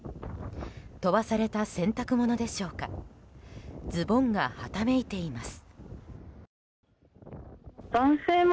飛ばされた洗濯物でしょうかズボンがはためいています。